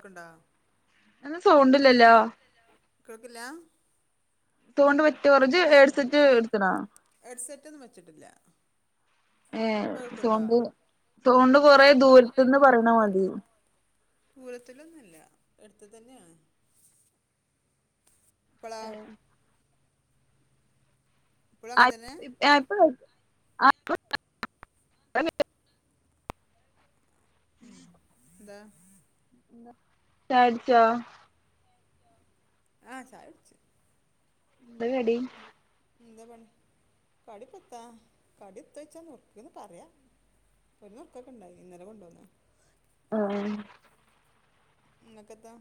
ക്ണ്ടാ. എന്തസൗണ്ട്ല്ലല്ലോ? കേൾക്കില്ലാ? തൊണ്ട് പറ്റോർ ജ് ഹേഡ്സെറ്റ് എട്ത്തണോ? ഹെഡ്സെറ്റൊന്നും വച്ചിട്ടില്ല ല്ലാഹ്. ഏ സോണ്ട് തോണ്ട് കുറെ ദൂരത്ത്ന്ന് പറിണമതി ദൂരത്തിലൊന്നല്ല എടുത്തന്നെയാണ്. പ്പളാഹ്. പളും അങ്ങൻതന്നെ? ഏഹ് പ്പ [inaudible] ഉംന്താഹ് ച്ചാ ചുട്ച്ചോ? ആഹ് ചായുട്ച്. എന്തകടി? എന്താ പണി കടിപ്പത്താ കടിത്തയ്ച്ചാ നുറുക്ന്ന് പറയാ. ഒരു നുർക്കൊക്കെണ്ടായിന് ഇന്നലെകൊണ്ടോന്ന. ആഹ് ആഹ്. ഇങ്ങക്കെത്താ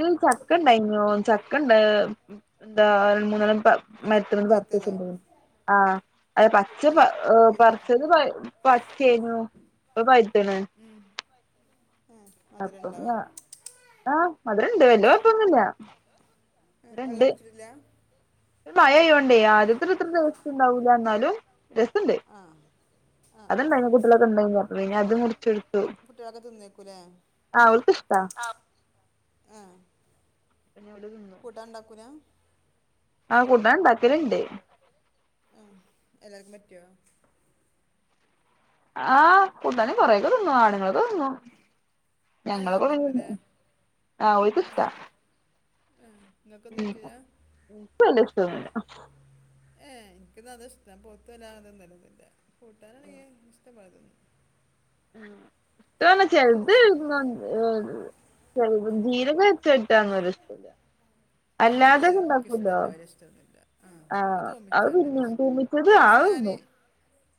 ഞങ്ങക്ക് ചക്കണ്ടാ യ്ഞ്ഞോചക്കണ്ട് എന്താ അൽ മൂന്നാലൊ പൈ മര്ത്ത്മെന്ന് പൈത്തതോ പർചെച്ച്ക്ക്ണ്. ആഹ് അഹ് പച്ച ഏ പൈത്ത പറച്ചത് പയ് പ ചെയ്ഞ്ഞു. പ്പംപയ്ത്ത്ണ്. ഉം ഏ മധുരം അപ്പം ഉണ്ടോ യാ ആഹ് മധുരംണ്ട് വെല്ല്യാ കൊയ്പ്പൊന്നുല്ല. ഏഹ് വെള്ളം കുടിച്ചിട്ല്ല? പം മയയോണ്ടേ ആദ്യത്തത്ര രസംണ്ടാവൂല്ല ന്നാലും രസണ്ട്. ആ ആ ആ അത്ണ്ടായിഞ് കുട്ട്യളൊക്കെണ്ടയിഞ് പിന്നെ അത് മുറിച്ചെടുത്തു. ക്കുലേഹ്. ആഹ് ഓൽക്കിഷ്ടാ. ആഹ് പിനെവിടെഇ കൂട്ടാൻ ഇണ്ടാക്കുല. ആ കൂടാണ്ടാക്കല് ണ്ട്. ആ എല്ലാർക്കുപറ്റോ. ആഹ കുണ്ടന്കൊറേക്കതിന്നും ആണുങ്ങളൊക്കെതിന്നു. ഏ ഞങ്ങള് കൊറെ ആണുങ്ങൊന്നുമില്ലേ തിന്ന്ആഹ ഓൽക്ക്ഷ്ടാ. ആഹ് ഇങ്ങ ഉംഹ് ൻക് വെല്യ ഷ്ടന്നുംല്ല ഏഹ് ഇൻക് ഇന്നാ അതാ ഇഷ്ടം. ഞാൻ പൊവുത്തത് വല്ലാതെ തിന്നലൊന്നുല്ല്യാ കൂട്ടാനാണെങ്കിൽ ഇഷ്ടപോലെ തിന്നും. [unintelligible] അത് ചെൽത് [unintelligible] രസമാണ് ഏഹ് ചെൽത് ജീരക വെച്ചട്ടാന്നാ ഒര് ഇഷ്ടല്ല ആ അത് അല്ലാതെ ഇത് എനിക്ക് ഇണ്ടാക്കുല്ലോ ഇഷ്ടമല്ല വരെ ഇഷ്ടമൊന്നുമില്ല ആ എനിക്ക് ആഹ് അഹ് തോന്നിച്ചാണ്ട് തന്നെ പിന്നിം ഇഷ്ടം തൂമ്പിച്ചത് ഒരു ആഹ് ദിവസം അത് ഞാൻ ന്നും.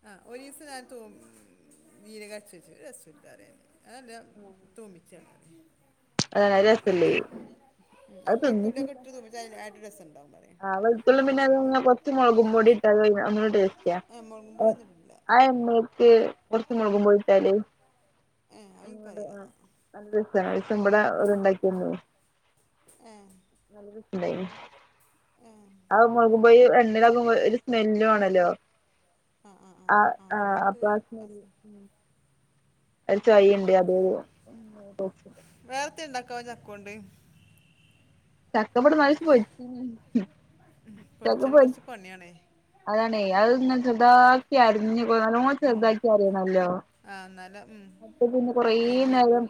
ആ ഒരു ദിവസംഞാൻ തുമ് മ് മ് ജീരകരച്ച്‌ ഒര് രസുല്യാപറഞ്ഞ [unintelligible] അതാണ് രസല്ല ത്അത് തിന്ന് ആ [unintelligible] വെളുത്തുള്ളപിന്നെ അ കൊച്ച് മുളകും പൊടി ഇട്ടാ ലും ഭയങ്കര ട്ടാസ്റ്റ്‌- ഏ മുളകും പൊടി ആഹ് ഒന്നും ഇട്ടിട്ടില്ല ആ എമ്മേ? കുറച്ച്ചമുളകും പൊടി ട്ടാല് ഏ അത് എനിക്കറിയില്ല എന്നാ അനല്ല രസായിരി തുമ്പടെഓ ര് ഉണ്ടാകി തന്നേനി ഏഹ് നല്ലരു പ് [unintelligible] ഏ ആഹ് മൊളകു ബജി എണ്ണയിലാകുമ്പോ ഒരു സ്മെല്ലും ആണല്ലോ ആ ആ ആ ആഹ് ആ ആഹ് എന്നിട്ട് അപ്പാ സ്മെല്ല്ഹും ഒരു ചോയിണ്ട് അത് -ഒരു വേറെത്തെണ്ടാകുവോ അകൗണ്ട്. ചക്കപടനാപൊ രിച്ചിന്നു പോയി ചക്കപൊരി ഇക് പണി യാണ്. അതാണേ. അത് ഇങ്ങനെ ചെറ്താക്കി അരിഞ്ഞു നല്ലോണം ഉം. ചെറുതാക്കി അരിയണല്ലോ ആ എന്നാലും ഉം അപ്പ പിന്നെ കൊറേ നേരിയുള്ളൂ നേരം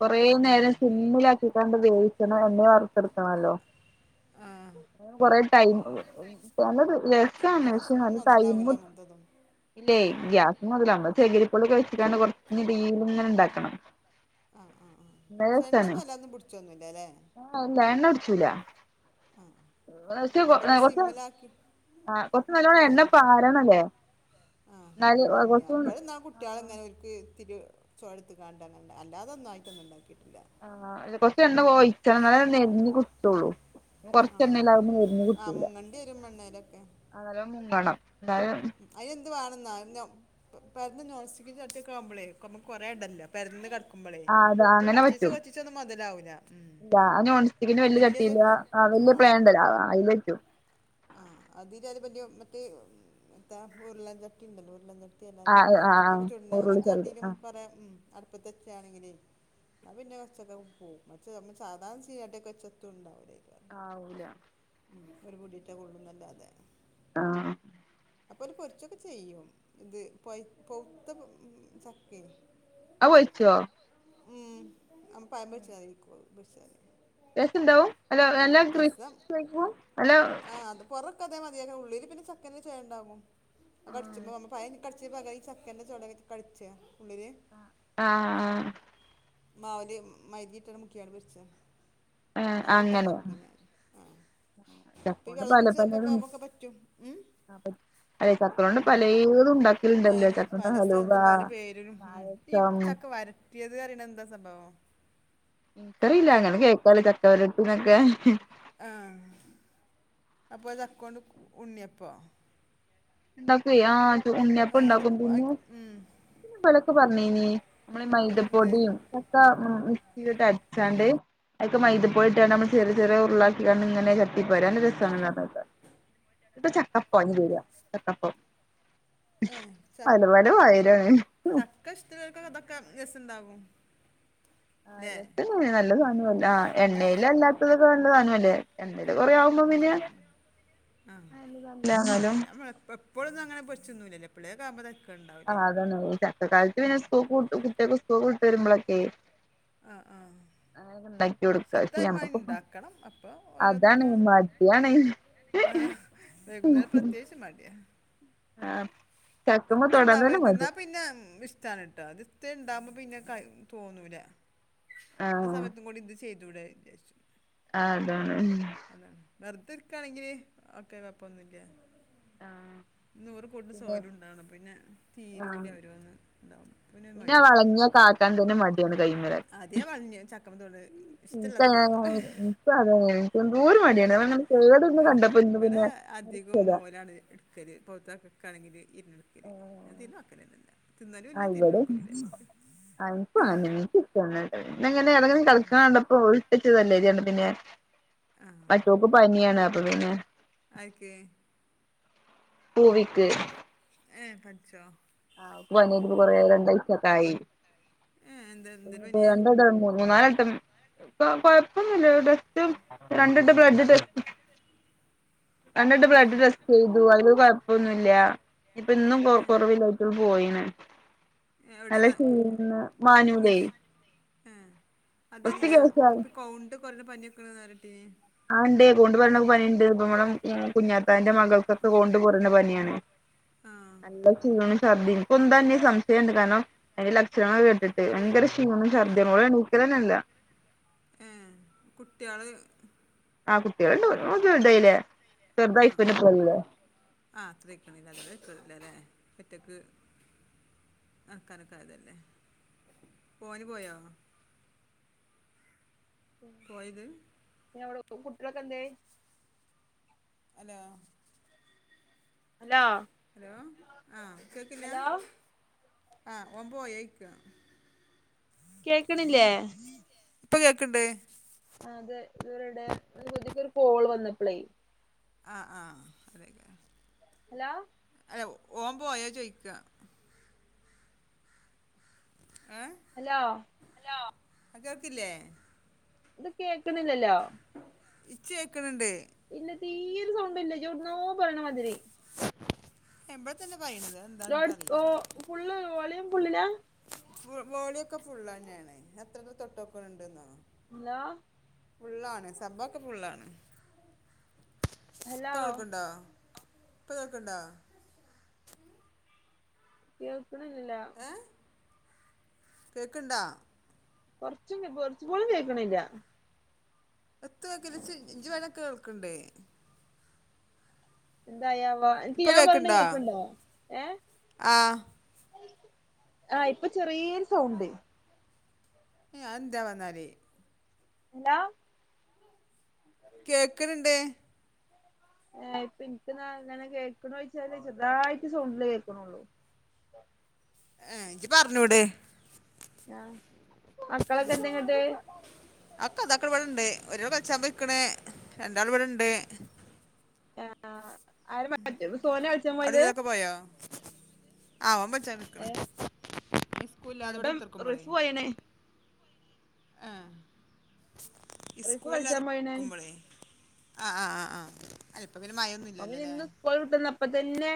കൊറേ ഉം നേരം സിമ്മിലാക്കി ഇതാണ്ട് വേവിക്കണല്ലോ എണ്ണേ വർത്ത്ട്‌ ക്കണല്ലോ ആ കൊറെ ടൈംപോന്നദ്‌ [unintelligible] ആ, റിപ്ലൈ ഗ്യാസ്മൊന്നും മുതലാവൂല അങ്ങനത്തതും ആ ഉം. ചോയ്ച്ചിട്ടാണം കുറച്ച്ടീം ഇങ്ങനെ ഇണ്ടാക്കണം. ആ ആ നല്ല ആക്ഷെയെണ്ണന്നുംവെള്ളതെന്നും പുടിച്ചൊന്നുല്ലലെ. [unintelligible] കുട്ച്ചൂല. ആഹ് നോക്യ കൊറച്ച ആ കൊറച്ച് നല്ലോണ്ണ എണ്ണ പാരണല്ലേ. ആഹ് ആള് എന്നാല് പോവലില്ല കൊറച്ച് ഇബടന്നാ കുട്ട്- കുട്ടോളെ ഇങ്ങനെ ഓല്ക്ക് തിരി ചോ യ എടുത്ത് കാണ്ട അങ്ങണ്ട് അല്ലാതെൊന്നും ആയിട്ടൊന്ന ഉണ്ടാക്കിയിട്ടില്ല. ആ കൊറച്ച് എണ്ണ ഒയ്ച്ചണംനാൽ നേരിഞ്ഞി കിട്ടുള്ളൂ. ആ ആ ആ കൊറച്ചെണ്ണല്ലതെന്നുംമുരിഞ് ആ കിട്ടൂല മുങ്ങണ്ടി വരും എണ്ണയിലൊക്കെ അങ്ങനെ മുങ്ങണംന്നാലെ. അയന് എന്ത് വാണെന്നോ പരന്ന നോൻ സ്റ്റിക്കിന്റെചട്ടിയൊക്കെ ആവുമ്പളെ നമക് കൊറേണ്ടല്ലോ. പെരന്ന് കടുമ്പളേ ആഹ് അതാ അങ്ങനെ കൊർ ചീച്ചേ പറ്റും കൊർചിച്ചോ ഒന്നും മൊതലാവൂല. [unintelligible] അത് നോൺസ്റ്റിക്കിന്റെ വല്യ ചട്ടില്യ വെച്ച് ആഹ് വല്യ പ്ലേ ഇണ്ടല്ലോ അയില് വെക്കും. ആഹ് അതിന് അതിപല്യ മറ്റേ തേഫൂർ ഉരുളാഞ്ചട്ടി ഉണ്ടല്ലോ ഉരുളാചട്ടി ആഹ് കിലോതമ്മ ആഹ് അപ്പൊക്കെ ചുടുന്ന ഉരുളി ചള്ളി അങ്ങനത്തെചട്ടിയിലും ആഹ് കുറെ ഉം അടുപ്പത്തെ വെച്ചിട്കാണെങ്കില് അത് പിന്നെ ഉച്ചക്കക് പോവും. [unintelligible] ആവൂല. ഉം. ഒരു പുടിറ്റെ കൊള്ളുംന്നല്ലാതെ ആഹ് അപ്പോ ഒരു പൊരിച്ചൊക്കെ ചെയ്യും. ഇത് പൊയ് പൊവുത്ത മ് മ്ചക്ക അ വൽ ച്ചോ ഉം [unintelligible] ടേയ്സ്റ്റ് ഇണ്ടാവും [unintelligible] പുറക്ക അതേ മതിയല്ലോ ഉള്ളിൽ പിന്നെചക്കന് ചൊയ്യണ്ടാവും അത് ക ആഹ് ടിച്ചുമ്പോ പയനി ഈ ചക്കൻ്റെ ചുളകയി ച്ച കഴ് ച്ച ഉള്ളില്. ആഹ് ആഹ് മാവില് മൈദ ഇട്ടട് മുക്കി അങ്ങട് പിടിച്ചേ ആഹ് അങ്ങനെ. ക്കീനറ്യെ. ആഹ്. അപ്പൊ ഈ ചക്കോണ്ട് വെള്ളം പല കുടിച്ച പലതും ചക്കക്കാവുമ്പൊക്കെ പറ്റും. ഉം അല്ലെ ചക്കോണ്ട് ഉം. പലേതും ഉണ്ടാക്കലുണ്ടല്ലോ ഏഹ് ചക്കോണ്ട് പല ഹലുവ സ്ഥലത്ത്ന്ന് പല പേരിലും ഉം ഈ പായസം ചക്ക വര ട്ടിയത് പറിണത് എന്താ സംഭവം? ഇൻക്കറീല്ല. ങ്ങനെ കേക്കാലേ ചക്കവരട്ടീന്നൊക്കെ. ആഹ് അത് പോലെ ചക്കോണ്ട് ഉണ്ണിയപ്പോ? ഉണ്ടാക്ക്വേ ആഹ് ആ ഉണ്ണിയപ്പംഉണ്ടാക്കും. അതൊക്കെ കു- പിന്നെ ആയിക്കോ- ഉം. പിന്നെ ബലൊക്കെ പറഞ്ഞിനി നമ്മടെ എന്ത് മൈതപ്പൊടിം ചക്ക മിക്സീല്ട്ട് അടിച്ചാണ്ട് അയ്ക്ക് മൈദ പൊടിയിട്ട് നമ്മൾ ചെറിയ ചെറിയ ഉരുളാക്കികാണ്ട് ഇങ്ങനെ ചട്ടിപാര നല്ലരസാണ് കാണാൻ. ഏ ചക്ക [unintelligible] ചക്ക ഇഷ്ടള്ളോർക്കൊക് ഇതൊക്കെ രസണ്ടാവും. ആഹ് [unintelligible] നല്ല സാധനവും അല്ലേ ആഹ് എണ്ണയില അല്ലാത്തകൊണ്ട്നല്ലല്ലേ. എണ്ണയില് കൊറെയാവുമ്പം പിന്നെ [unintelligible] പ്പളുന്നങ്ങനെ പൊര്ച്ചുന്നൂലല്ലോ എപ്പളെയ് കാ ആഹ് അതന്നെ [unintelligible] ചക്കക്കാലത്ത് പിന്നെ സ്കൂൾ കൂ കുട്ട്യേക്ക്‌ സ്കൂൾ കൂട്ട് വരുമ്പളൊക്കെ ആഹ് ആഹ് അങ്ങനൊക്കെ ഇണ്ടാക്കി കൊടുക്ക പക്ഷെ സെത്തൽമാ ഞമ്മക്കിപ്പം ഉണ്ടാക്കണം അപ്പോ ഓരോ അതാണ് നൊക്കെ മടിയാണ് ആഹ് വൈകുന്നേരം പ്രത്യേകിച്ച് മടിയാ. ആഹ് ചക്കമ്മെ തൊടാൻ തന്നെ എത്തുണ്ടാവര്ത് മടി ഇന്നാ പിന്നെ ഉം ഇഷ് ട്ടാണ് ട്ടോ അത് തേയ് ഉണ്ടാവുമ്പോ പിന്നെ കയ് തോന്നൂല. ആ ആഹ് സമയത്തും കൂടി ഇ ചെയ്തൂടേ വിചാര്ച്ചും ആഹ് അതാണ് അതാണ് വെർതെ ഇരിക്കയാണെങ്കിൽ ഓക്കെ കൊഴപ്പൊന്നുല്ല. ആഹ് നൂറ് കൂട്ട് പിന്നെ സോലുൻ ആണ് പിന്നെ തീരൂല ആഹ് ഓരോന്ന് ഇണ്ടാവും. അപ്പ പിന്നെ മടിയാണ്. [unintelligible] അതേ പറഞ്ഞു ചക്കമ്പ തോള് ആ, ഇവിടെ [unintelligible] അധികം മോനാണ് എടുക്കല് പൗത്തക്കൊക്കെ ആണെങ്കിൽ ഇരുന്ന [unintelligible] തിന്നലും ഇല്ല. തിരിഞ്ഞു നോക്കം ഇല്ല. അപ്പ നിനക്ക് [unintelligible] പിന്നെ ആ മറ്റോക്ക് പനിയാണ് അപ്പൊ പിന്നെ ആരിക്ക്? പൂവിക്ക് ഏഹ് പനിച്ചോ? ആഹ് ഓക്ക് പനിയായിട്ട് ഇപ്പോ കൊറേ രണ്ടാഴ്ച്ചയൊക്കെയായി. ഏ എന്താ എന്തൊരു പനിയാ [unintelligible] മൂന്ന് നാലേസം കൊഴപ്പൊന്നുല്ല ടെസ്റ്റിൽ രണ്ട വട്ടം ബ്ലഡ് ടെസ്റ്റ് രണ്ട് വട്ടം ബ്ലഡ് ടെസ്റ്റ് ചെയ്തു അയില് കൊയൊപ്പൊന്നുല്ല്യ ഇനി ഇപ്പൊ ഇന്നും കൊർ ഏ കൊറാവില്ല ഏ, എവിടെ കാ- [unintelligible] പോയീണ് [unintelligible] ഉം അതല്ല.. കേസായി ഇപ്പൊ കൗണ്ട് കൊറഞ്ഞ പനി ഒക്കെണ് പറഞ്ഞിട്ട് ആ ഇണ്ട് കൊണ്ട് [inaudible] വന്നപ്പം പനിയുണ്ട് ഇപ്പമ [inaudible] [inaudible] കുഞ്ഞാത്താന്റെ മകൾക്കൊക്കെ കൗണ്ട് കുറഞ്ഞപനിയാണ്.. ആ നല്ല തിന്നണം [inaudible] സംശയമുണ്ട് കാരണം അതിന്റെ ലക്ഷണങ്ങള് കേട്ടിട്ട് ഭയങ്കര -ക്ഷ പിന്നെ ശർദ്ദി മോളെണിക്കണില്ല. ഏ... കുട്ട്യാള് ആ കുട്ടികളുണ്ട് [inaudible] ലെ അ ആ.. [inaudible] ഒറ്റക്ക് അനക്കനക്കായതല്ലേ പോന് പോയോ? [inaudible] പോയത്? ഞ്ഞ് അവളൊക്കും കുട്ടളൊക്കെ എന്തെയ്? അലോ.. ഹലോ.. ഹലോ ആ കേക്കില്ലാ? ഹലോ ആ ഓൻ പോയോയ്ക്ക [unintelligible] കേക്ക്ണില്ലേ? കേക്ക്ണ്ല്ലേ.. ഇപ്പ കേക്ക്ണ്ട് ആ അതെ ഇത്വരെവിടെ ഇതീക്കൊരു കോൾ വന്നപ്പളെയ് ആ ആ അതയ് [inaudible] ഹലോ അലോ ഓൻ പോയോ ചോയ്ക്ക എഹ്? ഹലോ ഹലോ ആ കേൾക്കത്തില്ലേ? ഇത് കേക്കിണില്ലല്ലോ. ഇച്ച് ഏക്ക്ന്ണ്ട് ഇല്ല. തീരെ സൗണ്ടില്ല ഇജ്ജ് എവിട്ന്നോ പറയണമാതിരി [inaudible] ലോഡ്സ് ഓ എന്നാല്. ഫുള്ള് വോളിയം ഫുള്ളിലാ ഫു വോളിയൊക്കെ ഫുള്ളെന്നാണ് എത്രക്ക് തോട്ടൊക്കണ് ണ്ട്ന്നോ ഹലോ ഫുള്ളാണ് സംഭോക്കെ ഫുള്ളാണ് ഇപ്പൊ ഹലോ കേൾക്ക്ണ്ടോ? ഇപ്പൊ കേൾക്ക്ണ്ടോ? കേൾക്ക്ണില്ലല്ലോ ഏഹ്.. കേക്ക്ണ്ടോ? കൊറച്ചും കൊറച്ചുകൂടെ കേക്ക്ണില്ല എത്ത് [inaudible] എന്തായാവോ അനക്ക് ഇപ്പൊ ഞാൻ പറയണത് കേൾക്കണ്ടോ കേൾക്ക്ണ്ടോ ഏ ആ ആ ഇപ്പൊ ചെറിയൊരു സൗണ്ട് എഹ് അയെന്തെവൊന്നാല് ഹലോ.. കേക്ക്ണ് ണ്ട് എ ഇപ്പ ഇന്ക്ക്ന്നാൽ എങ്ങനെ കേൾക്ക്ണോയിച്ചാല് ചെറ്തായിട്ട് സൗണ്ടില് കേൾക്കുണുള്ളൂ എഹ് ഇജ് പറഞ്ഞൂട് ആഹ. മക്കളൊക്കെ എന്തെങ്ങട്ട് അക്ക അതാക്ക്ണ് ഇവിട്ണ്ട് ഒരാൾ കൾച്ചാപെയ്ക്ക്ണ് രണ്ടാൾ ഇവിടണ്ട് ഏ.. മ് ആ പോയത് അലവിയാക്ക പോയോ? ആ ഓൻ ഏ [inaudible] സ്കൂൽ ഇല്ലാതെ ഇവടെ ഇപ്പം കുത്തിർക്കുമ്പോഴേ റിഫു പോയണേ ആഹ് ഇസ് റിഫു ഇസ്കൂളില്ലാതെ കളിച്ചാൻ പോയണേ നിക്കുമ്പളേ ആഹ് ആഹ് ആഹ് ആഹ് അല്ല ഇപ്പ പിന്നെ മയൊന്നും ഓൻ പിന്നെ ഇല്ലല്ലോലെ ഇന്ന് സ്കൂൾ വിട്ട്ന്നപ്പത്തന്നെ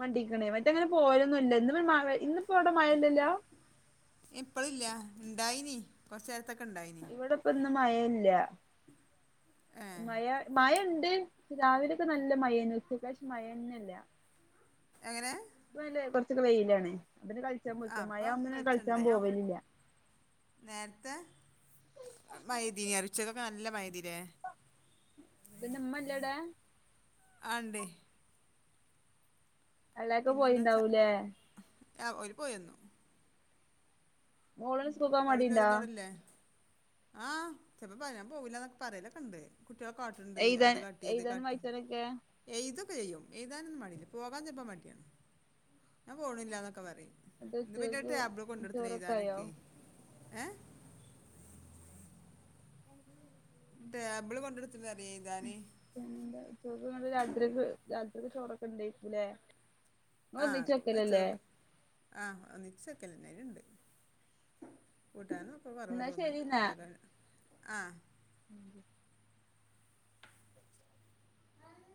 മണ്ടിക്ക്ണ് മറ്റങ്ങനെ പോവാലോന്നൂല്ല ഇന്ന് വര് മ വെ ഇന്ന് ഇപ്പൊ അവടെ മയ ഇല്ലല്ലോ ഇപ്പളില്ല ഇണ്ടായിനി കൊറച്ചേരത്തൊക്കെ ഇണ്ടായിനി ഇപ്പൊന്നും മയ ഇല്ല ഏ മയ മഴണ്ട് രാവിലൊക്കെ നല്ല മഴേന്നു ഉച്ചക്കേഷം മഴന്നെല്ല എങ്ങനെ ഇപ്പല്ലേ കുറച്ചൊക്കെ വെയിലാണ് അപ്പൊന്നെ കൾച്ചാൻ ആ പോയ്‌ക്ക്ണ് അപ്പം മഴാവുമ്പോന്നെ കൾച്ചാൻ വിളിച്ചിട്ടുണ്ട് പോവലില്ല നേരത്തെ [unintelligible] നല്ല മഴയ്തിലേ ഇത് ന്റെമ്മ ല്ലടേ ആഎന്തെ? എളേക്ക പോയിണ്ടാവൂലേ പിന്നെന്താച്ചാആ ഓല് പോയിര്ന്നു. മോളിന് ഉം സ്കൂൾക്കോവാൻ മടിണ്ടാ അവ്ടെല്ലോലൊന്നും അവ്ടെല്ലേ ആ ചെപ്പ പറയാൻ പോവൂല ന്നൊക്കെ പറയലൊക്കെണ്ട്. കുട്ട്യാള് കാട്ടുണ്ട് എഴുതാൻ അത് കാട്ടി ഇത് എഴുതാനും കാട്ടി വായിച്ചാനൊക്കെ എഴുതൊക്കെ ചെയ്യും എഴുതാനൊന്നും മടിയില്ല പോകാൻ ചെൽപ്പൊ മടിയാണ് ഞാൻ പോണില്ലന്നൊക്കെ പറിം. അത് ച്ചേക്ക് ചോറൊക്കായോ? ഏഹ് ടേബിള് കൊണ്ടടുത്തുടാനൊ എയ്താന്. പിന്നെന്താ ചോറ് ണ്ട് രാത്രിക്ക് രാത്രിക്ക് ചോറൊക്കെ ണ്ടേര്ക്കുലേ? ആ വെച്ചതൊക്കെ ആ ഒന്നിച്ചക്കലന്നെ അയ്ല്ണ്ട് കൂട്ടാനൊ പ്പൊ കൊറവാ എന്നാ ശരി തോന്നുണ്ട് ന്നാ [unintelligible] ആ [inaudible]